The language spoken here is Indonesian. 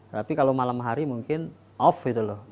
tapi kalau malam hari mungkin off gitu loh